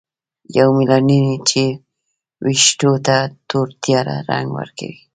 یومیلانین چې ویښتو ته تور تیاره رنګ ورکوي.